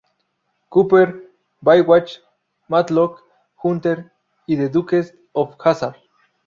Cooper", "Baywatch", "Matlock", "Hunter" y "The Dukes of Hazzard".